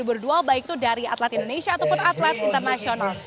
baik itu dari atlet indonesia ataupun atlet internasional